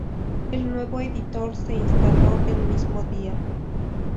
El nuevo editor se instaló el mismo día.